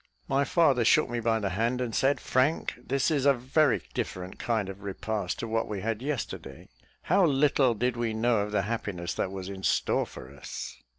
My father shook me by the hand, and said, "Frank, this is a very different kind of repast to what we had yesterday. How little did we know of the happiness that was in store for us!"